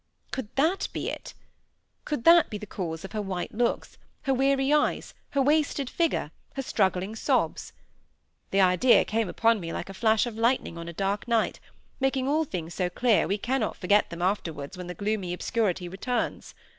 Could that be it? Could that be the cause of her white looks, her weary eyes, her wasted figure, her struggling sobs? This idea came upon me like a flash of lightning on a dark night, making all things so clear we cannot forget them afterwards when the gloomy obscurity returns.